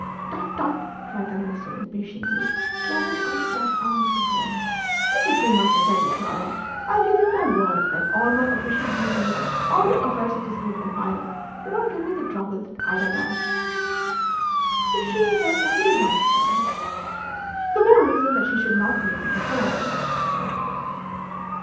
"Tut, tut!" cried the Minister impatiently, slapping on the plush arm of his chair. "This is too much. I tell you, Clara, I give you my word, that all my official duties, all the affairs of this great empire, do not give me the trouble that Ida does." "But she is our only one, Charles." "The more reason that she should not make a mesalliance."